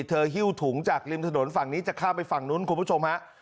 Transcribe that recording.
หิ้วถุงจากริมถนนฝั่งนี้จะข้ามไปฝั่งนู้นคุณผู้ชมฮะ